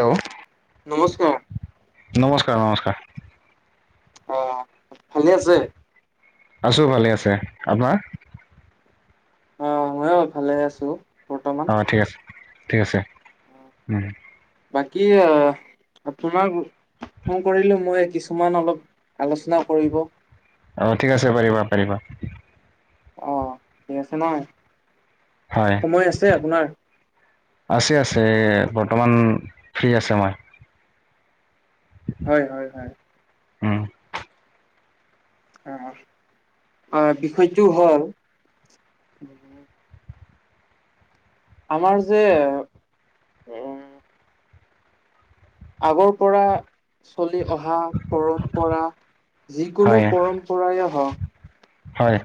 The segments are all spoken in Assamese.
হেল্ল! নমস্কাৰ, নমস্কাৰ, নমস্কাৰ। অঁ ভালে আছে? আছোঁ ভালে আছে, আপোনাৰ? মইও ভালে আছোঁ বৰ্তমান। অঁ ঠিক আছে, ঠিক আছে উম। বাকী আঁ আপোনাৰ ফোন কৰিলোঁ মই কিছুমান অলপ আলোচনা কৰিব। অঁ ঠিক আছে, পাৰিবা পাৰিবা। অঁ, ফ্ৰী আছে নাই? হয় সময় আছে আপোনাৰ? আছে আছে বৰ্তমান ফ্ৰী আছে মই। হয়, হয়, হয়। হম। অ', অ', বিষয়টো হ'ল আমাৰ যে উম আগৰ পৰা চলি অহা পৰম্পৰা যিকোনো হয় পৰম্পৰা পম্পৰায়ে হওঁক হয়।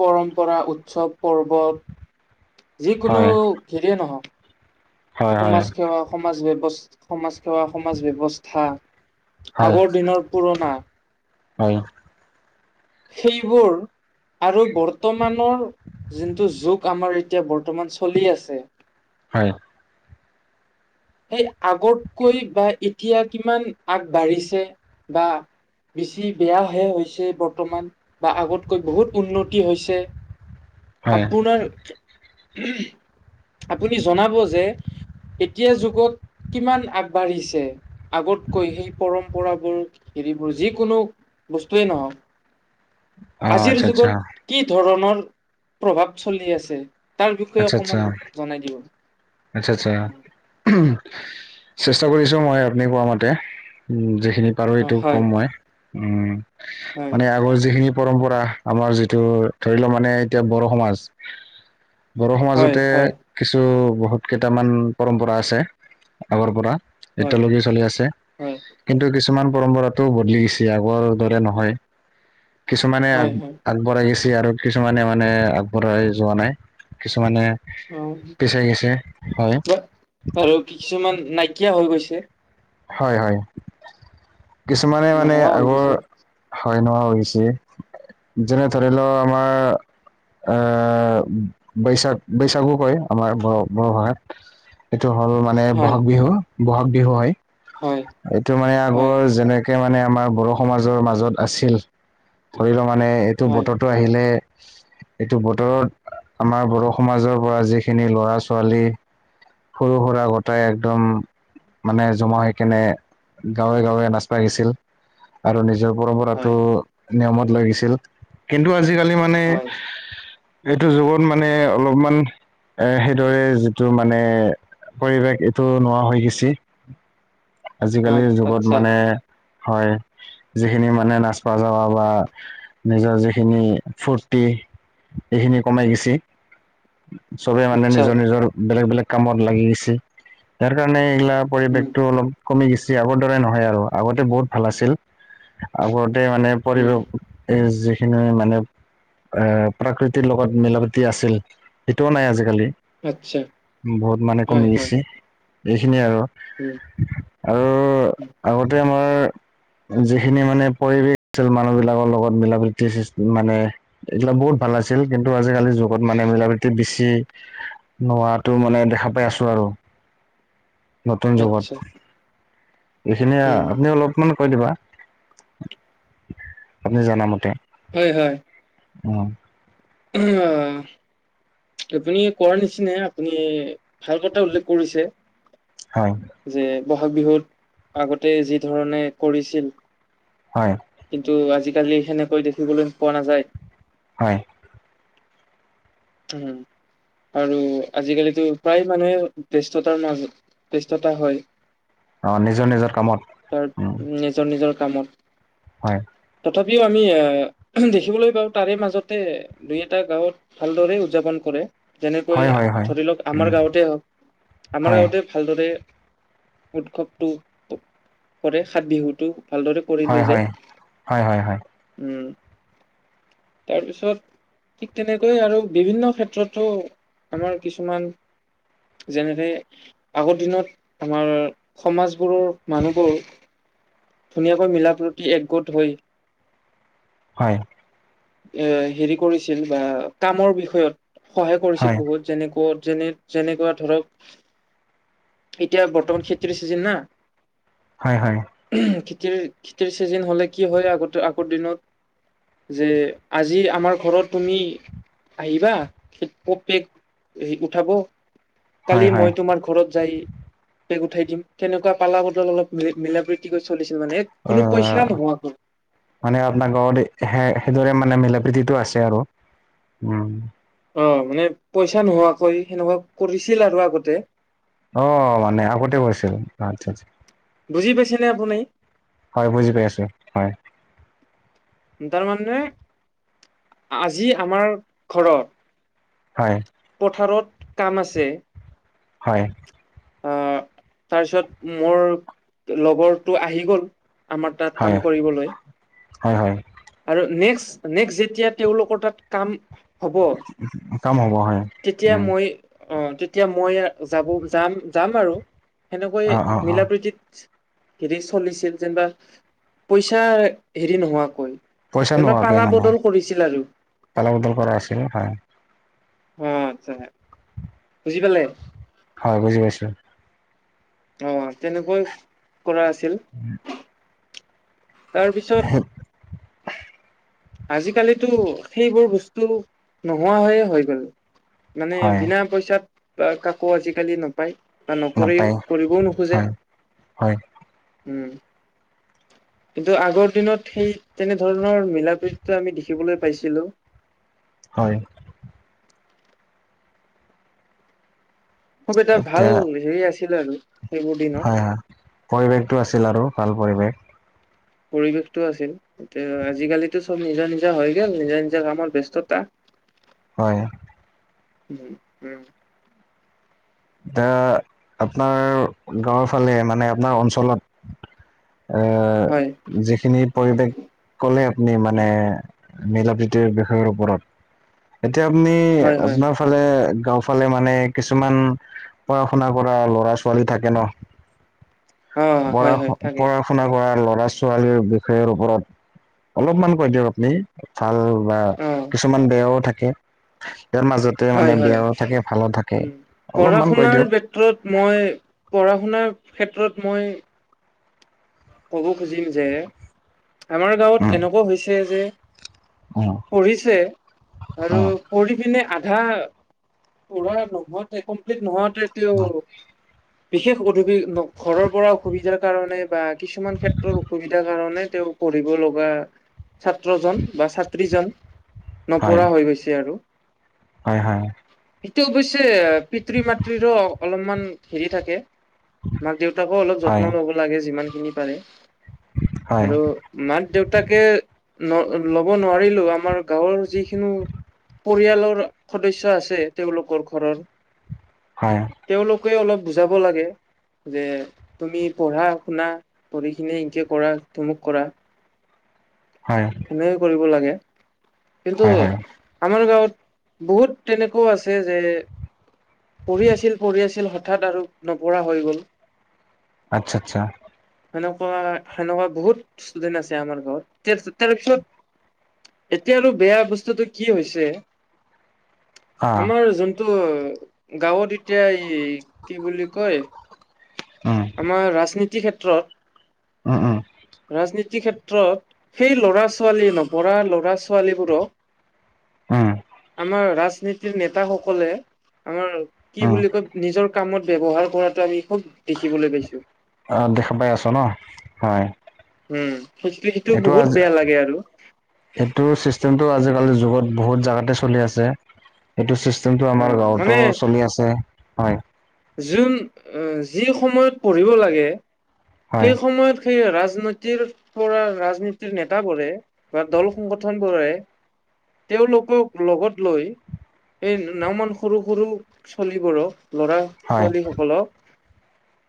পৰম্পৰা উৎসৱ পৰ্বত যিকোনো হয় হেৰিয়ে নহওঁক হয় হয় সমাজ সেৱা সমাজ ব্যৱস্থা সমাজ সেৱা সমাজ ব্যৱস্থা হয় আগৰ দিনৰ পুৰণা হয়। সেইবোৰ আৰু বৰ্তমানৰ যোনটো যুগ আমাৰ এতিয়া বৰ্তমান চলি আছে হয়। সেই আগতকৈ বা এতিয়া কিমান আগবাঢ়িছে বা বেছি বেয়াহে হৈছে বৰ্তমান বা আগতকৈ বহুত উন্নতি হৈছে হয় আপোনাৰ আপুনি জনাব যে এতিয়াৰ যুগত কিমান আগবাঢ়িছে আগতকৈ সেই পৰম্পৰাবোৰ হেৰিবোৰ যিকোনো বস্তুৱে নহক অঁ আজিৰ আচ্ছা আচ্ছা যুগত কি ধৰণৰ প্ৰভাৱ চলি আছে। তাৰ বিষয়ে আচ্ছা আচ্ছা অকণমান জনাই দিব। আচ্ছা, আচ্ছা চেষ্টা কৰিছোঁ মই আপুনি কোৱা মতে উম যিখিনি পাৰো অ এইটো হয় কম মই উম হয় মানে আগৰ যিখিনি পৰম্পৰা আমাৰ যিটো ধৰি ল মানে এতিয়া বড়ো সমাজ বড়ো হয় সমাজতে হয় কিছু বহুত কেইটামান পৰম্পৰা আছে আগৰ পৰা হয় এতিয়ালৈকে চলি আছে হয় কিন্তু কিছু কিছুমান পৰম্পৰাতটো বদলি গৈছে আগৰ দৰে নহয় কিছুমানে হয় হয় আগবঢ়াই গেছি আৰু কিছুমানে মানে আগবঢ়াই যোৱা নাই কিছুমানে পিছাই গৈছে হয় অ', আৰু কিছুমান নাইকিয়া হৈ গৈছে। হয়, হয় কিছুমানে মানে নোহোৱা হৈ আগৰ গৈছে হয় নোহোৱা হৈছে যেনে ধৰি লও আমাৰ আহ বৈশাখ বৈশাগু কয় আমাৰ ব বড়ো ভাষাত এইটো হ'ল মানে হয় ব'হাগ বিহু ব'হাগ বিহু হয়। হয়। এইটো মানে হয় আগৰ যেনেকে মানে আমাৰ বড়ো সমাজৰ মাজত আছিল ধৰি লও মানে এইটো হয় বতৰটো আহিলে এইটো বতৰত আমাৰ বড়ো সমাজৰ পৰা যিখিনি লৰা ছোৱালী সৰু সুৰা গোটাই একদম মানে জমা হৈ কেনে গাঁৱে গাঁৱে নাচপা গেছিল। আৰু নিজৰ পৰম্পৰাতটো হয় নিয়মত লাগিছিল কিন্তু আজিকালি মানে হয় এইটো যুগত মানে অলপমান এ সেইদৰে যিটো মান মানে পৰিৱেশ এইটো নোহোৱা হৈ গেছি। হয় আজিকালিৰ যুগত আচ্ছা মানে হয় যিখিনি মানে নাচ পাজৰ বা নিজৰ যিখিনি ফুৰ্তি এইখিনি কমাই গৈছে চবে মানে আচ্ছা নিজৰ নিজৰ বেলেগ বেলেগ কামত লাগি গৈছে তাৰ কাৰণে এইগিলা উম পৰিৱেশটো অলপ কমি গৈছে আগৰ দৰে নহয় আৰু আগতে বহুত ভাল আছিল আগতে মানে উম পৰিৱেশ এ যিখিনি মানে এ প্ৰাকৃতিৰ লগত মিলাপ্ৰীতি আছিল সেইটোও নাই আজিকালি আচ্ছা বহুত মানে হয় কমি হয় গৈছে এইখিনিয়ে আৰু উম আৰু উম আগতে আমাৰ যিখিনি মানে পৰিৱেশ আছিল মানুহ বিলাকৰ লগত মিলা প্ৰীতি মানে এইগিলা বহুত ভাল আছিল কিন্তু আজিকালি যুগত মানে মিলা প্ৰীতি বেছি নোহোৱাতো মানে দেখা পাই আছো আৰু নতুন যুগত আচ্ছা এইখিনিয়ে উম উম আপুনি অলপমান কৈ দিবা আপুনি জনা মতে হয় হয় উম উম আ আপুনি কোৱাৰ নিচিনা আপুনি ভাল কথা উল্লেখ কৰিছে হয় যে ব'হাগ বিহুত আগতে যি ধৰণে কৰিছিল হয় কিন্তু আজিকালি সেনেকৈ দেখিবলৈ পোৱা নাযায় হয় ওম আৰু আজিকালিতো প্ৰায় মানুহে ব্যস্ততাৰ মাজত ব্যস্ততা হয় অ নিজৰ নিজৰ কামত তাৰ উম নিজৰ নিজৰ কামত হয় তথাপিও আমি আহ দেখিবলৈ পাওঁ তাৰে মাজতে দুই এটা গাঁৱত ভালদৰে উদযাপন কৰে যেনেকৈ হয় হয় হয় ধৰি লওক আমাৰ উম গাঁৱতে হওক আমাৰ হয় গাঁৱতে ভালদৰে উৎসৱটো কৰে সাত বিহুটো ভালদৰে কৰি হয় লৈ যায় হয় হয় হয় উম তাৰপিছত ঠিক তেনেকৈয়ে আৰু বিভিন্ন ক্ষেত্ৰতো আমাৰ কিছুমান যেনেকে আগৰ দিনত আমাৰ সমাজবোৰৰ মানুহবোৰ ধুনীয়াকৈ মিলা প্ৰীতি একগোট হৈ হয় এ হেৰি কৰিছিল বা কামৰ বিষয়ত সহায় হয় হয় কৰিছিল বহুত যেনেক যেনে যেনেকুৱা ধৰক এতিয়া বৰ্তমান খেতিৰ চিজন না হয় হয় উ'ম খেতিৰ খেতিৰ চিজন হলে কি হয় আগতে আগৰ দিনত যে আজি আমাৰ ঘৰত তুমি আহিবা খেতি উঠাব কালি হয় হয় মই তোমাৰ ঘৰত যাই পেগ উঠাই দিম তেনেকুৱা পালা বটল অলপ মি মিলা প্ৰিতি তেনেকৈ চলিছিল মানে এক অ কোনো পইচা নোহোৱাকৈ মানে আপোনাৰ ঘৰত সেইদৰে মানে মিলা প্ৰিতিটো আছে আৰু উম। অ মানে পইচা নোহোৱাকৈ সেনেকুৱা কৰিছিল আৰু আগতে? অ মানে আগতে কৰিছিল আচ্ছা আচ্ছা। বুজি পাইছেনে আপুনি? হয় বুজি পাই আছো হয়। তাৰমানে আজি আমাৰ ঘৰত হয়। পথাৰত কাম আছে, হয়। আহ তাৰপিছত মোৰ লগৰটো আহি গ'ল, আমাৰ তাত হয় কাম কৰিবলৈ। হয় হয় আৰু নেক্সট নেক্সট যেতিয়া তেওঁলোকৰ তাত কাম হব কাম হ'ব হয় তেতিয়া উম মই অ তেতিয়া মই যাব যাম যাম আৰু। সেনেকৈ অ অ অ মিলাপ্ৰীতিত হেৰি চলিছিল যেনিবা পইচা হেৰি নোহোৱাকৈ। যেনে পালা বদল কৰিছিল আৰু। তালা বদল কৰা আছিল হয়। অ আচ্ছা বুজি পালে? হয় বুজি পাইছো। অ তেনেকৈ কৰা আছিল তাৰপিছত [inaudible] আজিকালিতো সেইবোৰ বস্তু নোহোৱা হৈয়ে হয় গল। মানে হয় বিনা পইচাত কাকো আজিকালি নাপায়। বা নকৰিও নাপায় কৰিবও নোখোজে হয় হয় উম। কিন্তু আগৰ দিনত সেই তেনেধৰণৰ মিলা প্ৰীতিটো আমি দেখিবলৈ পাইছিলো। হয়। খুব এটা ভাল এতিয়া হেৰি আছিল আৰু। সেইবোৰ দিনত হয় হয় পৰিৱেশটো আছিল আৰু ভাল পৰিৱেশ। পৰিৱেশটো আছিল। এতিয়া আজিকালিো চব নিজৰ নিজৰ হৈ গ'ল নিজৰ নিজৰা কামত ব্যস্ততা। হয়। উম উম। এতিয়া আপোনাৰ গাঁৱৰ ফালে মানে আপোনাৰ অঞ্চলত হয় আহ যিখিনি পৰিৱেশ ক'লে আপুনি মানে মিলাপ্ৰিতিৰ বিষয়ৰ ওপৰত এতিয়া আপুনি হয় হয় আপোনাৰ ফালে গাঁও ফালে মানে কিছুমান পঢ়া শুনা কৰা ল'ৰা ছোৱালী থাকে ন, অ পঢ়া হয় হয় থাকে শুনা শুনা কৰা ল'ৰা ছোৱালীৰ বিষয়ৰ ওপৰত অলপমান কয় দিয়ক আপুনি ভাল বা অ কিছুমান বেয়াও থাকে ইয়াৰ মাজতে হয় মানে হয় বেয়াও থাকে ভালো থাকে। উম পঢ়া অলপমান কৈ শুনাৰ দিয়ক ক্ষেত্ৰত মই পঢ়া শুনাৰ ক্ষেত্ৰত মই কব খুঁজিম যে আমাৰ গাঁৱত উম এনেকুৱা হৈছে যে উম পঢ়িছে আৰু উম পঢ়ি পিনে আধা পঢ়া নহোৱাতে কমপ্লিট নোহোৱাতে তেওঁ বিশেষ অসুবি ঘৰৰ পৰা অসুবিধাৰ কাৰণে বা কিছুমান ক্ষেত্ৰৰ অসুবিধাৰ কাৰণে তেওঁ পঢ়িব লগা ছাত্ৰজন বা ছাত্ৰীজন হয় নপঢ়া হৈ গৈছে আৰু হয় হয় সিটো অৱশ্যে পিতৃ মাতৃৰো অলপমান হেৰি থাকে মাক দেউতাকো অলপ হয় যত্ন ল'ব লাগে যিমানখিনি পাৰে হয় আৰু মাক দেউতাকে ন ল'ব নোৱাৰিলেও আমাৰ গাঁৱৰ যিখিনো পৰিয়ালৰ সদস্য আছে তেওঁলোকৰ ঘৰৰ হয় তেওঁলোকে অলপ বুজাব লাগে যে তুমি পঢ়া শুনা পঢ়িখিনে এনকে কৰা টমুক কৰা হয় সেনেকে কৰিব লাগে কিন্তু হয় হয় আমাৰ গাঁৱত বহুত তেনেকোৱাও আছে যে পঢ়ি আছিল পঢ়ি আছিল হঠাৎ আৰু নপঢ়া হৈ গ'ল আচ্ছা আচ্ছা সেনেকুৱা সেনেকুৱা বহুত ষ্টুডেন্ট আছে আমাৰ গাঁৱত তাৰ তাৰে পিছত এতিয়া আৰু বেয়া বস্তুটো কি হৈছে অ আমাৰ যোনটো গাঁৱত এতিয়া এই কি বুলি কয় উম আমাৰ ৰাজনীতিৰ ক্ষেত্ৰত উম উম ৰাজনীতিৰ ক্ষেত্ৰত সেই ল'ৰা -ছোৱালী নপঢ়া ল'ৰা- ছোৱালীবোৰক উম আমাৰ ৰাজনীতিৰ নেতাসকলে আমাৰ কি উম বুলি কয় নিজৰ কামত ব্যৱহাৰ কৰাটো আমি খুব দেখিবলৈ পাইছো অ দেখা পাই আছ ন হয় উম সেইটো সেইটো বহুত বেয়া লাগে আৰু সেইটো ছিষ্টেমটো আজিকালিৰ যুগত বহুত বহুত জাগাতে চলি আছে এইটো চিষ্টেমটো অ, আমাৰ মানে গাঁৱতো চলি আছে হয় যোন যি সময়ত পঢ়িব লাগে হয় সেই সময়ত সেই ৰাজনীতিৰ পৰা ৰাজনীতিৰ নেতাবোৰে বা দল সংগঠন বোৰে তেওঁলোকক লগত লৈ এই নাওমান সৰু সৰু চলীবোৰক ল'ৰা -ছোৱালী সকলক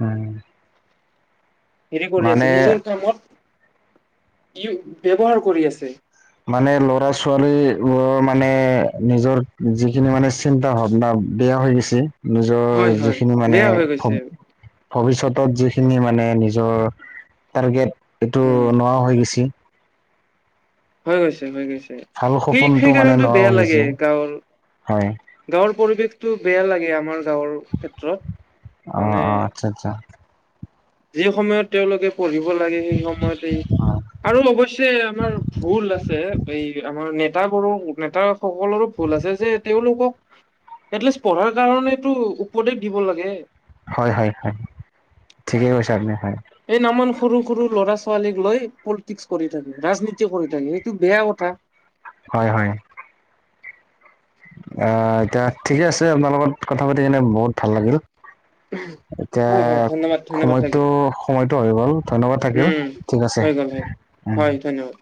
হয় হেৰি কৰি আছে মানে নিজৰ কামত ই ব্যৱহাৰ কৰি আছে মানে ল'ৰা ছোৱালীৰ বোৰৰ মানে নিজৰ যিখিনি মানে চিন্তা ভাৱনা বেয়া হৈ গৈছে হয় নিজৰ হয় যিখিনি মানে বেয়া হৈ গৈছে। ভৱ ভৱিষ্যতত যিখিনি মানে নিজৰ টাৰ্গেট এইটো উম, নোৱা হৈ গৈছি হৈ গৈছে হৈ গৈছে ভাল সেই সপোনটো সেই মানে কাৰণটো নোহোৱা বেয়া হৈ লাগে গৈছে গাঁৱৰ হয় গাঁৱৰ পৰিৱেশটো বেয়া লাগে আমাৰ গাঁৱৰ ক্ষেত্ৰত অ মানে অ আচ্ছা আচ্ছা যি সময়ত তেওঁলোকে পঢ়িব লাগে সেই সময়তেই অ আৰু অৱশ্যে আমাৰ ভুল আছে এই আমাৰ নেট নেতাবোৰো নেতা সকলোৰো ভুল আছে যে তেওঁলোকক এটলিষ্ট পঢ়াৰ কাৰণেটো উপদেশ দিব লাগে হয় হয় হয় ঠিকেই কৈছে আপুনি হয় এই নামান সৰু সৰু ল'ৰা ছোৱালীক লৈ পলিটিক্স কৰি থাকে ৰাজনীতি কৰি থাকে এইটো বেয়া কথা হয় হয় আহ এতিয়া ঠিকে আছে আপোনাৰ লগত কথা পাতি কিনে বহুত ভাল লাগিল এতিয়া হয় হয় ধন্যবাদ ধন্যবাদ থাকিল সময়টো সময়টো হৈ গ'ল ধন্যবাদ থাকিল উম ঠিক আছে হৈ গ'ল হয় উম হয় ধন্যবাদ